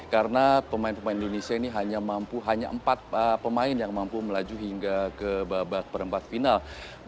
karena pemain pemain indonesia ini hanya empat pemain yang mampu melaju hingga ke babak perempat final